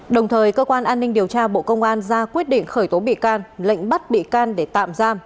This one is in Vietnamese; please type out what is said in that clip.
đồng thời cơ quan an ninh điều tra bộ công an ra quyết định khởi tố bị can lệnh bắt bị can để tạm giam